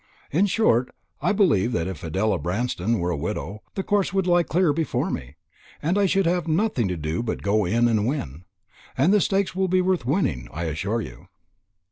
In short, I believe that if Adela Branston were a widow, the course would lie clear before me, and I should have nothing to do but go in and win. And the stakes will be worth winning, I assure you."